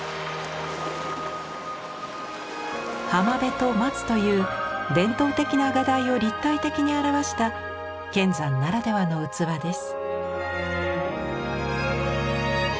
浜辺と松という伝統的な画題を立体的に表した乾山ならではの器です。